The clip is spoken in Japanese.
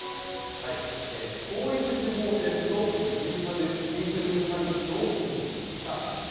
統一地方選とＧ７サミットを意識した、です。